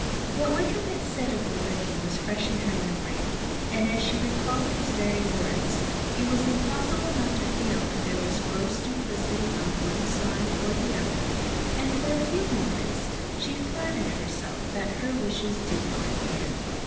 What Wickham had said of the living was fresh in her memory; and as she recalled his very words, it was impossible not to feel that there was gross duplicity on one side or the other, and, for a few moments, she flattered herself that her wishes did not err.